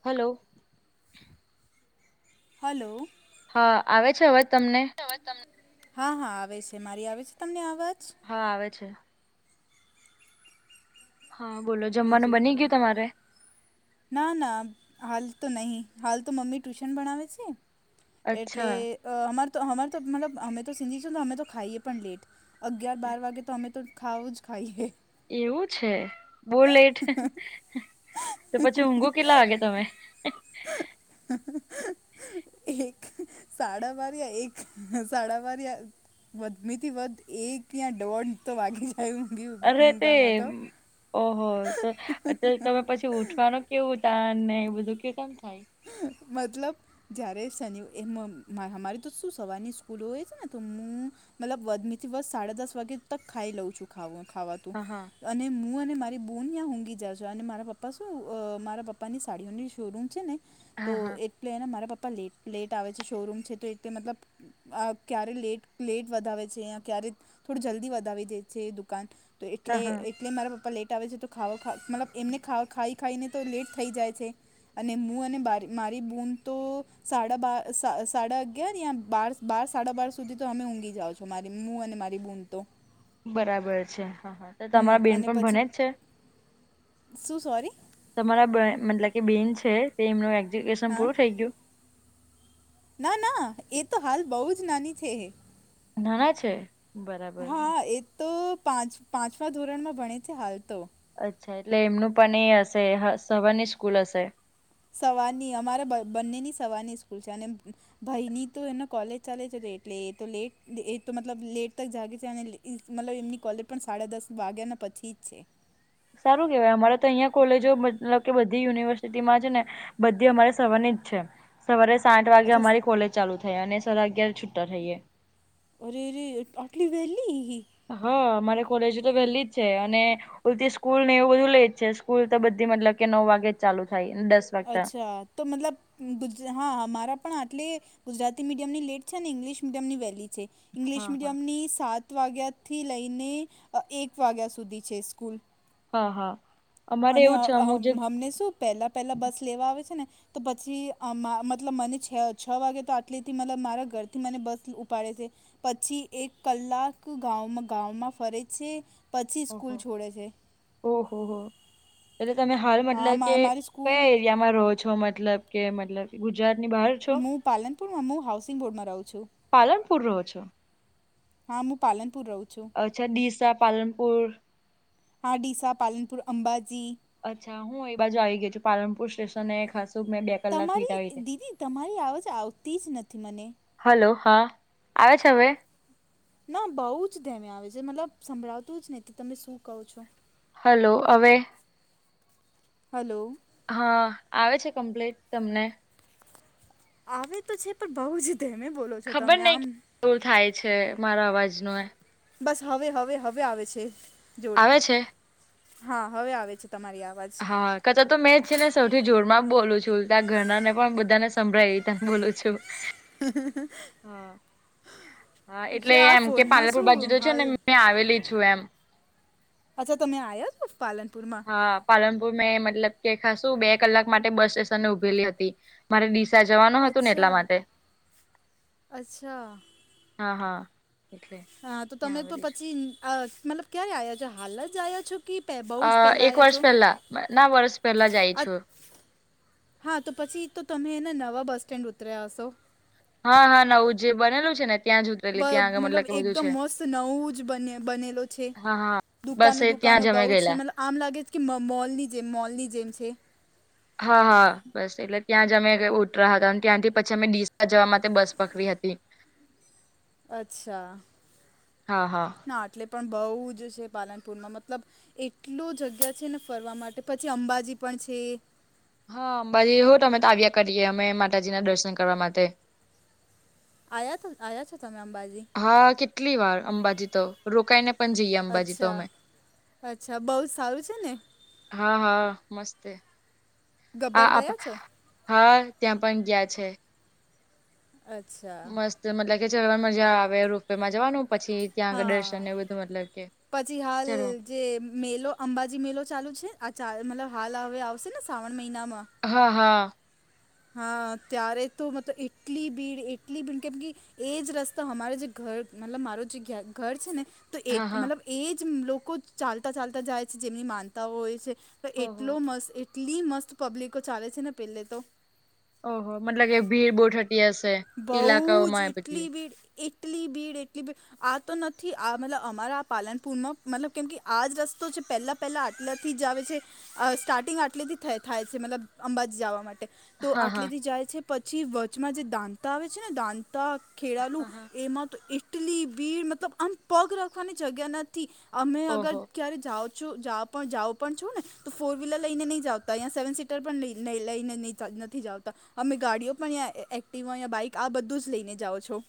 Hello. Hello. હા આવે છે અવાજ તમને હા હા આવે છે મારી આવે છે તમને અવાજ હા આવે છે. હા બોલો જમવાનું બીજું બની કહો ગયું તમારે ના ના હાલ તો નહીં, હાલ તો મમ્મી ટ્યુશન ભણાવે છે. એટલે અચ્છા અમારેતો અમાર તો મતલબ અમે તો સિંધી છું ને અમે તો ખાઈએ પણ લેટ. અગિયાર બાર વાગે તો અમે તો ખાવુજ ખાઈએ. એવું છે? બો લેઠ, તો પછી ઊઘું કેટલા વાગે તમે? એક, સાડા બાર યા એક, સાડા બાર યા વધ મેથી વધ એક યા દોઢ તો વાગી એવું ગ્યું. અરે તે ઓહો તો તે તમે પછી ઉઠવાનું કેવું ટાન ને એ બધું કેવું કેટાક થાય? મતલબ? જ્યારે શનિ અ મ અમારી તો શું સવારની સ્કૂલો હોય છે ને તો હું મતલબ વધનીથી વ સાડા દસ વાગે તક ખાઈ લઉં છું ખાવાતું. હા હા અને મું અને મારી બૂન ત્યાં ઊંઘી જાં છું અને મારા પપ્પા શું મારા પપ્પાની સાડીઓની શોરૂમ છે ને હા તો હા. એટલે એના મારા પપ્પા લેટ લેટ આવે છે શોરૂમ છે તો એટલે મતલબ આ ક્યારે લેટ લેટ વધાવે છે ક્યારે થોડું જલ્દી વધાવી દે છે દુકાન. તો એટલે હા હા એ ટલે મારા પપ્પા લેટ આવે છે તો ખ મતલબ એમને ખાઈ ખાઈને તો લેટ થઈ જાય છે. અને મું અને મારી બૂન તો સાડા બા સાડા અગયાર યા બાર બાર સાડા બાર સુધી તો અમે ઊંઘી જાઓ છો મારી મું અને મારી બૂન તો. બરાબર છે હા હા તો હમ તમારા બેન અને પણ પછી ભને જ છે? શું સોરી તમારા મતલ કે બેન છે તે એમનું એક્જ્યુકેશન હા પૂરું થઈ ગ્યું? ના ના એ તો હાલ બઉ જ નાની છે હે. નાના છે? બરાબર. હા એ તો પાંચ પાંચમા ધોરણમાં ભણે છે હાલ તો. અચ્છા એટલે એમનું પણ એ હશે હ સવરની સ્કૂલ હશે? સવારની અમારા બંનેની સવારની સ્કૂલ છે અને ભાઈની તો એના કોલેજ ચાલે છે એટલે એ તો લેટ એ તો મતલબ લેટ તક જાગે છે અને લે ઇ મતલબ એમની કોલેજ પણ સાડા દસ વાગ્યાના પછી જ છે. સારું કેવાય અમારે તો અહિયાં કોલેજો મતલબ કે બધી યુનિવર્સિટીમાં છે ને બધી અમારે સવાની જ છે. સવારે સાઠ વાગે અચ્છા અમારી કોલેજ ચાલુ થાય અને સાડા અગિયાર છૂટ્ટા થઈએ. ઓરે રે આ આટલી વેહલી હી! હા અમારે કોલેજ તો વેહલી જ છે અને ઉલતી સ્કૂલ ને એવું બધું લેટ છે સ્કૂલ તો બધી મતલબ કે નવ વાગે જ ચાલુ થાય દસ વાગતા અચ્છા તો મતલબ ગુજ હા હા મારા પણ આટલે ગુજરાતી મીડિયમની લેટ છે ને ઇંગ્લિશ મીડિયમની વેલી છે. ઇંગ્લિશ હા હા મીડિયમની સાત વાગ્યાથી લઈને એક વાગ્યા સુધી છે સ્કૂલ. હા હા. અમારે અને એવું અ છે હ અમુક જે હમને શું પેહલા પેહલા બસ લેવા આવે છે ને તો પછી અ મ મતલબ મને છે વાગે તો આટેલેથી મતલબ મારા ઘરથી મને બસ ઉપાડે છે. પછી એક કલાક ગાવ ગામંમાં ફરે છે પછી સ્કૂલ ઓહો છોડે છે. ઓહો હો એટલે તમે હાલ હા મતલબ કે મા- મારી સ્કૂલ કયા એ તિયામાં રહો છો મતલબ કે મતલબ ગુજરાત ની બહાર છો. હું પાલનપુરમાં હું હાઉસિંગ બોર્ડમાં રહું છું. પાલનપુર રોહ છો? હા મું પાલનપુર રઉ છું. અચ્છા ડીસા પાલનપુર. હા ડીસા, પાલનપુર, અંબાજી. અચ્છા હું એ બાજુ આવી ગય છું પાલનપુર સ્ટેશન એ ખાસું મેં કલાક તમારી વિતાવી છે દીદી તમારી આવવાજ આવતી જ નથી મને હલો હા આવે છે હવે. ના બહુ જ ધમે આવે છે મતલબ સંભળાવતું જ નહ તમે શું કહો છો. હલો હવે. હલો. હા આવે છે કમ્પ્લીટ તમને. આવે તો છે પણ બઉ જ ધમે બોલો છો તમે આમ દૂર થાય છે મારો અવાજ નો બસ હવે હવે હવે આવે છે જોડ આવે છે હા હવે આવે છે તમારી અવાજ. હા કચા તો મેં જ છે ને સૌથી જોર માં બોલું છું ત્યાં ઘરનાને પણ બધાને સંભળાવી ત બોલું છું. હ હ હ હા હા એટલે આ એમ કે ફોનમાં પાલપુર બાજુ શું તો છે હાલ ને મેં આવેલી છું એમ. અચ્છા તમે આ્યા છો પાલનપુર માં. હ પાલનપુર મેં મતલબ કે ખાસું બે કલાક માટે બસ સ્ટેશનને ઉભેલી હતી. મારે ડીસા જવાનું હતું ને અચ્છા એટલા માટે અચ્છા હા હા. એટલે હા તો ત્યાં તમે તો આવેલી છું. પછી મતલબ ક્યારે આવ્યા છો હાલ જ આવ્યા છો કે પે બહુ અ જ પહેલાં એક આવ્યા વર્ષ છો પહેલા ના વર્ષ પહેલા આય છું. અ- હા તો પછી તો તમેને નવા બસ સ્ટેન્ડ ઉતર્યા હશો. હા હા નવું જે બનેલું છે ને ત્યાં ઉતરી બ મતલબ એકદમ મસ્ત નવું જ બને બનેલો છે. હા હા બસ દુકાનો એ ત્યાં દુકાનો અમે બહુ જ છે ગયેલા. મતલબ આમ લાગે છે કે મોલની જેમ મોલની જેમ છે. હા હા બસ એટલે ત્યાં જ અમે ઉતરા હતા અને ત્યાંથી પછી અમે ડીસા જવા માટે બસ પકડી હતી. અચ્છા હા હા ના એટલે. પણ બહુ જ છે પાલનપુરમાં મતલબ એટલો જગ્યા છે ને ફરવા માટે પછી અંબાજી પણ છે. હા અંબાજી હો અમે તો આવ્યા કરીએ અમે માતાજી ના દર્શન કરવા માટે. આયા આયા છો તમે અંબાજી. હા કેટલી વાર અંબાજી તો રોકાઈને પણ જઈએ અંબાજી તો અચ્છા અમે. અચ્છા બહુ સારું છે ને. હા હા મસ્ત ગબ્બર આ ગયા છો હા ત્યાં પણ ગયા છે. અચ્છા. જે મતલબ કે ચવા મજા આ. હવે રૂપેમાં જવાનું પછી ત્યાં આગળ હા દર્શન એ બધું મતલબ કે પછી હાલ ચલો જે મેલો અંબાજી મેલો ચાલુ છે આ ચા મતલબ હાલ હવે આવશે ને શ્રાવણ મહિનામાં. હા હા. હા ત્યારે તો મતલબ એટલી ભીડ એટલી ભીડ કેમ કે. એજ રસ્તા અમારે જે ઘર મતલબ મારો જે ઘર છે ને તો એ હા હા મતલબ એ જ લોકો ચાલતા ચાલતા જાય છે જેમની માનતાઓ હોય છે. તો ઓહો એટલો મસ્ત એટલી મસ્ત પબ્લિકો ચાલે છે ને પેલે તો ઓહ મતલબ કે ભીડ બોઠ ઠંડી હશે. બઉ ઈલાકાઓમાં જ એ એટલી બધી ભીડ એટલી ભીડ એટલી ભીડ આ તો નથી. આ મતલબ અમારા પાલનપુર માં મતલબ કેમ કે આજ રસ્તો છે. પહેલા પેલા આટલાથી જ આવે છે. સ્ટાર્ટિંગ આટલેથી થાય છે. મતલબ અંબાજી જવા માટે તો હા હા આટલીધ જાય છે પછી વચમાં જે દાંતા આવે છે ને દાંતા હા ખેળલું હા એમાં તો ઈટલી વીડ મતલબ આમ પગ રાખવાની જગ્યા ન નથી અમે અગર ઓહો ક્યારે જાઓ. જા પણ છું ને તો ફોર વ્હીલર લઈને નહી જતા સેવન સીટર પણ લઈને નહી નથી જાવતા અમે ગાડીઓ પણ એક્ટ અહીંયા બાઈક આ બધું જ લઈને જાાવ છો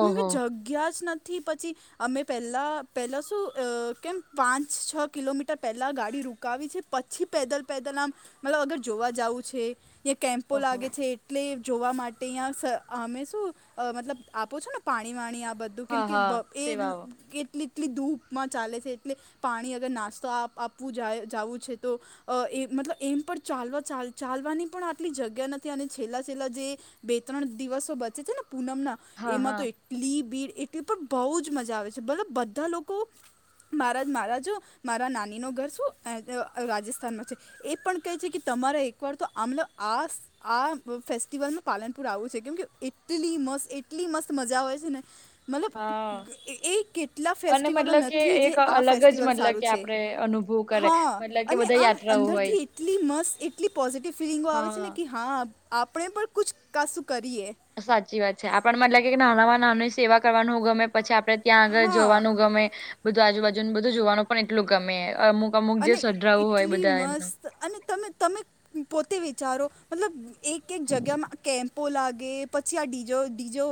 કે કે ઓહો જગ્યા જ નથી. પછી અમે પહેલાં પહેલાં શું કેમ પાંચ છ કિલોમીટર પહેલાં ગાડી રૂકાવી છે. પછી પેદલ પેદલ આમ મતલબ અગર જોવા જવં છે. ્યાંયા કેમ્પો ઓહો લાગે છે એટલે જોવા માટે અહીંયા અમે શું મતલબ આપો છો ને પાણી વાણી આ બધું કેમ હા કે હા એ સેવાઓ એટલે એટલી ધૂપમાં ચાલે છે એટલે પાણી અગર નાસ્તો આપ આપવું જાય જવું છે. તો અ એ મતલબ એમ પણ ચાલવા ચાલવાની પણ આટલી જગ્યા નથી અને છેલ્લા છેલ્લા જે બે ત્રણ દિવસો બચે છે ને પૂનમ ના હા એમાં હા તો લી ભીડ એટલે પણ બહુ જ મજા આવે છે. મતલબ બધા લોકો મારા મારા જો મારા નાનીનું ઘર શું રાજસ્થાનમાં છે. એ પણ કહે છે કે તમારે એક વાર તો આમ આ આ ફેસ્ટિવલનું પાલન પૂર આવું છે. કેમ કે એટલી મસ્ત એટલી મસ્ત મજા હોય છે ને મતલબ હા એ કેટલા અને ફેસ્ટિવલો મતલબ કે નથી જે એક આ અલગ જ ફેસ્ટિવલ મતલબ કે સારું છે. આપણે અનુભવ કરે હા મતલબ કે અને બધા આમ યાત્રાઓ હોય અંદરથી એટલી મસ્ત એટલી પોઝિટિવ ફિલિંગો આવે છે ને હા કે હા આપણે પર કછ કસ કરીએ. સાચી વાત છે આપણ મતલે કે નાનામાં નામની સેવા કરવાનું ગમે. પછી આપડે ત્યાં આગળ હા જવાનું ગમે બધું આજુબાજુનું બધું જોવાનું પણ એટલું ગમે. અમુક અમુક જે અને સઢરાવું હોય એટલી બધા એમનું. મસ્ત અને તમે તમે પોતે વિચારો મતલબ એક એક જગ્યામાં કેમ્પ પો લાગે, પછી આડીજો ડીજો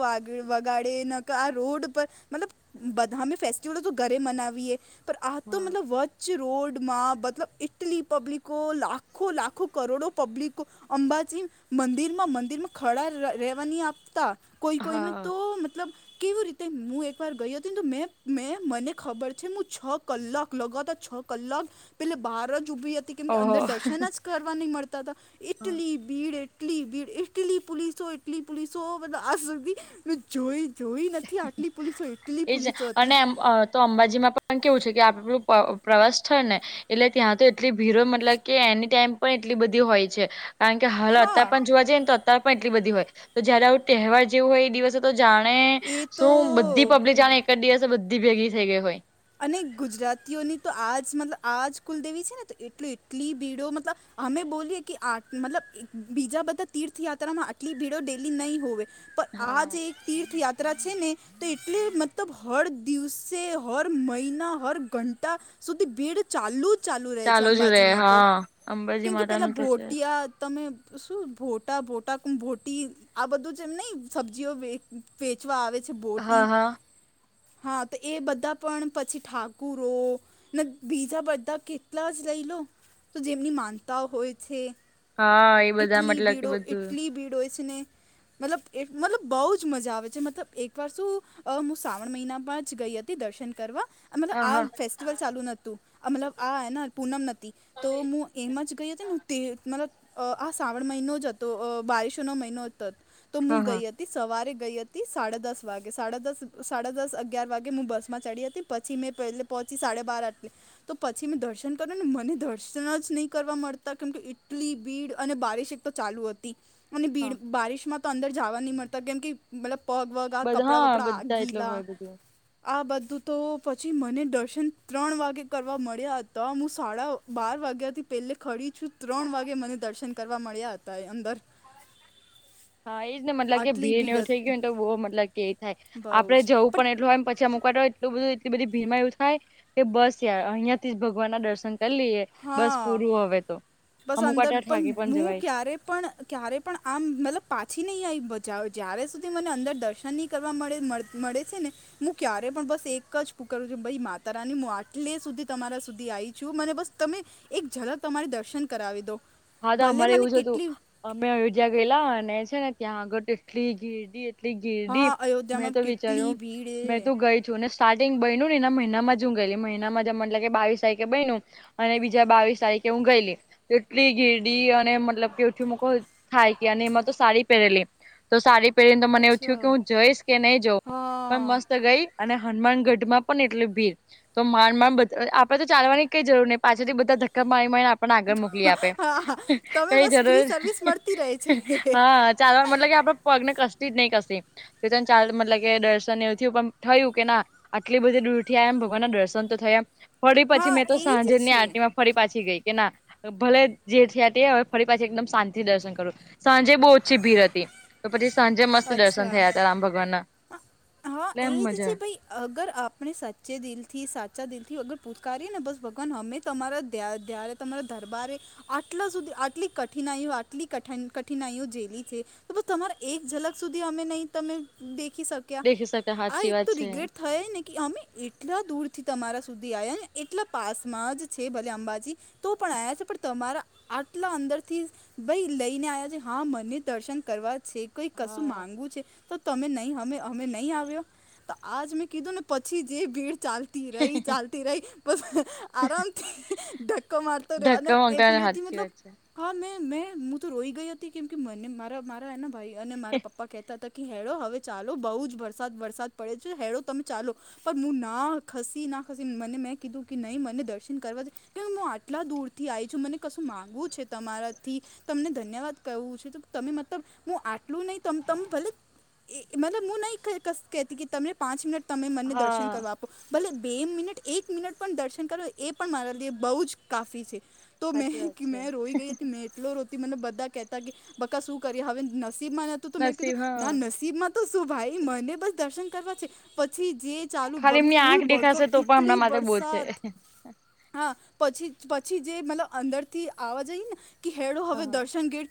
વગાડે. આ રોડ પર મતલબ બધામે ફેસ્ટિવલો તો ઘરે મનાવીએ. પણ આ તો હા મતલબ વચ રોડ માં મતલબ ઇટલી પબ્લિકો લાખો લાખો કરોડો પબ્લિકો અંબાજી મંદિર માં મંદિર માં ખડા રહેેવાની આપતા. કોઈ કોઈ ને હા તો મતલબ કેવી રીતે તે હું એકવાર ગઈ હતી ને તો મેં મેં મને ખબર છે. હું છ કલાક લગાતાર છ કલાક પેલે બહાર જ ઊભી હતી. કેમ કે ઓહો અંદર દર્શન જ કરવા નહી મળતા હતા- હા ઇટલી ભીડ ઇટલી ભીડ, ઇટલી પોલીસો ઇટલી પોલીસો બધ એું જોઈ જોઈ નથી. આટલી પોલીસો એટલી એજ પોલીસો અને હતી. એમ તો અંબાજીમાં પણ કેવું છે કે આપલું પ્રવાસ થાય ને એટલે ત્યાં તો એટલી ભીરો મતલબ કે એની ટાઈમ પણ એટલી બધી હોય છે. કારણ કે હાલ હા અત્યારેાર પણ જો જઈએને તો. પણ એટલી બધી હોય તો જયારે આવું તહેવાર જેવું હોય એ દિવસે તો જાણે. એ તો શું બધી પબ્લિક જાણે એક જ દિવસે બધી ભેગી થઈ ગઈ હોય. અને ગુજરાતીઓની તો આજ મતલબ આજ કુલદેવી છે. ને તો એટલી એટલી ભીડો મતલબ અમે બોલીએ કે આ મતલબ બીજા બધા તીર્થયાત્રામાં આટલી ભીડો ડેલી નહીં હોવે. પણ આ હા જે તીર્થયાત્રા છે ને તો એટલે મતલબ હર દિવસે હર- મહિના હર ઘંટા સુધી ભીડ ચાલુ જ ચાલુ રહે છે જ રે અંબાજીમાં તો. હા અંબાજી કેમ કે માતા પેલા નું તો છે ભોટિયા તમે શું ભોટા ભોટા ભોટી આ બધું જ એમ ન સબ્જીઓ વે વેચવા આવે છે. હા બોટી. હા હા તો એ બધા પણ પછી ઠાકુરો ને બીજા બધા કેટલા જ લઈ લો. તો જેમની માનતાઓ હોય છે. હા એ બધા ઇટલી મતલબ બડો કે બધું ઇટલી બડ઼ ને. મતલબ એ મતલબ બહુ જ મજા આવે છે. મતલબ એકવાર શું અ હું શ્રાવણ મહિના બા જ ગઈ હતી દર્શન કરવા મતલબ હા આ હા ફ ચાલુ નતું મતલબ આ ને પૂનમ નથી તો હું એમ જ ગઈ હતી ને તે મતલબ અ આ શ્રાવણ મહિનો જ હતો બારિશોનો મહિનો હતો તો હું હા હા ગઈ હતી. સવારે ગઈ હતી સાડા દસ વાગે સાડા દસ સાડા દસ અગિયાર વાગે હું બસમાં ચડી હતી. પછી મેં પહેલે પહોંચી સાડે બાર આટલે. તો પછી મેં દર્શન કર્યું ને મને દર્શન જ નહીં કરવા મળતા કેમ કે ટલી ભીડ અને બારીશ. ચાલુ હતી, અને હા ભીડ બારિશમાં તો અંદર જવા ન મળતા કેમ કે મતલબ પગ વગ. બધા કપડા હા વપડા આ બધા એટલે ગીલા, હોય બધું આ બધું તો પછી મને દર્શન ત્રણ વાગે કરવા મળ્યા, હતા હું સાડા બાર વાગ્યાથી પેલે ખડી છું ત્રણ વાગે મને દર્શન કરવા મળ્યા હતા એ અંદર. હા એજ ને મતલબ કે આટલી ભીડ એવું થઈ હતી ગયું ને તો બહ મતલબ કે એ થાય, બહુ આપડે જ જવું પણ એટલુંછ ચમક હો એટલ બધ એટલી બધી ભી માં એવું થાય, કે બસ યાર અહિયાંથી જ ભગવાન ના દર્શન કરી લએ, બસ હા પૂરું હવે તો. બસ અમુક અંદર વાર તો થાકી પણ હું જવાય ક્યારે પણ ક્યારે પણ આમ મતલબ પાછી નહી આવી બાવ જય્યારે સુધી મને અંદર દર્શનની કરવા મળે મળે છે ને. હું ક્યારે પણ બસ એક જ કુકું છ ભાઈ માતા રાની હું આટલે સુધી તમારા સુધી આવી. શું મને બસ તમે એક જલક તમારી દર્શન કરાવી દો. હા તો ભલે અમારે મને એવું જ હતું, કેટલી અમે અયોધ્યા ગયેલા અને છે ને ત્યાં આગળ તો એટલી ઘેરડી એટ ગીરડી હા મેં અયોધ્યામાં તો કેટલી વિચાર્યું ભીડ એ મેં તો ગઈ. જોુંને સ્ટાર્ટિંગ બનનું ને એને મહિનામાં જ હું ગયેલી મહિનામાંમ એટલે કે બાવીસ તારીખે બન. અને બીજા બાવીસ તારીખે હું ગયેલી. એટલી ઘેરડી અને મતલબ કેઠી મકો થાય કે અને એમાં તો સાડી પહેરેલી. તો સારી પહેરીને તો મને એવું થયું અચ્છા કે હું જઈશ કે નહી જઉં, પણ હા મસ્ત ગઈ. અને હનુમાનગઢ માં પણ એટલે ભીડ. તો માણ માણડ આપડે તો ચાલવાની કઈ જરૂર નહી પાછળથી બધા ધક્કા મારી મારીને આપણને આગળ મોકલી આપ. હા તમે કઈ બસ ફ્રી જરૂર સર્વિસ મળતી રહે છે હા. હા, ચાલવા મતલબ કે આપડા પગ ને કસ્તી નહીં કસ્તી. બે ત્રણ ચાલ મતલબ કે દર્શન એવથી ઉપ થયું કે ના આટલી બધી દૂર થી આ એમ ભગવાન ના દર્શન તો થાય આમ ફળી પછી હા મેં તો એ જ સાંજે ની છે આરતતી માં ફરી પાછી ગઈ કે ના ભલે જેથી તે હવે ફરી પાછી એકદમ શાંતિ દર્શન કરું સાંજે બહુ ઓછી ભીડ હતી. તો પછી સાંજે મસ્ત દર્શન અચ્છા થયા હતા રામ ભગવાન ના. હા, હા એટલે એ એમ જ છે મજા ભાઈ અગર આપણે સાચ્ચે દિલ થી સાચા દિલ થી અગર પૂકારીએ ને બસ ભગવાન અમે તમારા ધ્યા ધ્યારે તમારા દરબારે આટલા સુધી આટલી કઠિનાઈઓ આટલી કઠિન-કઠિનાઈઓ જેલી છે તો બ તમારે એક જલક સુધી અમે નહી તમે દેખી શક્યા દેખી શકે આ હાચી એક વાત તો છે રિગ્રેટ થયા ને કે અમે એ એટલા દૂરથી તમારા સુધી આવ્યા ને એટલા પાસમાં જ છે ભલે અંબાજી તો પણ આયા છે પણ તમારા આટલા અંદરથી ભાઈ લઈને આવ્યા છે હા મને દર્શન કરવા છે કઈ કશું હા માંગવું છે તો તમે નહહમે અમે નહી આવ્યો તો આજ મેં કીધું ને પછી જે ભીડ ચાલ તી રહી ચાલતી રહી બસ આરામથી ધક્કો મારતો રહ્યો અને ધક્કા એ મારતા પેલે થી હાચી મતલબ વાત છે હા મેં મેં હું તો રોઈ ગઈ હતી કેમકે મને મારા મારા એના ભાઈ અને મારા પપ્પા કહેતા હતા કે હેડો હવે ચાલો બઉુ જ વરસાદ વરસાદ પડે છે હેડો તમે ચાલો પણ હું ના ખસી ના ખસી મને મેં કીધું કે નહી મને દર્શન કરવા છે કે હું આટલા દૂરથી આઈ છું મને કશું માગવુ છે તમારાથી તમને ધન્યવાદ કહેવું છે તમે મતલબ હું આ ટલું ‌નઈ તમ-તમ ભલે એ મતલબ મુ નઈ ખ કશુ કેતી કે તમે પાંચ મિનિટ તમે મને હા દર્શન કરવા આપ ભલે બે મિનિટ એક મિનિટ પણ દર્શન કરો એ પણ મારા લિએ બહુ જ કાફી છે. તો મેં સાચી વાત કી છે મેં રોઈ ગઈ હતી મેં એટલો રોતી મતલબ બધા કેહેતા કે બકા શું કરી હવે ન નસીબમાં નતું તો મેં કીધું નસીબ હા ના નસીબ માં તો શું ભાઈ મને બસ દર્શન કરવા છે, પછી જે ચાલુ ખાલી એમની ફૂલ આંખ બરસો દેખાશે તો પણ ઈટલી હમણાં માટે બહુ છે. બરસાત. હા, પછી પછી જે મતલબ અંદરથી આવાજ આઈને કે હેડો હા હવે હા દર્શન ગેટ